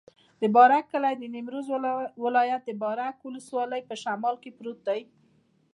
د بارک کلی د نیمروز ولایت، بارک ولسوالي په شمال کې پروت دی.